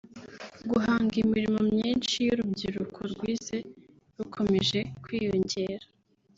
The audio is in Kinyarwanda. guhanga imirimo myinshi y’urubyiruko rwize rukomeje kwiyongera